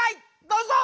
どうぞ。